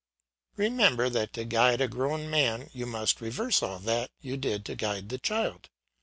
Remember that to guide a grown man you must reverse all that you did to guide the child.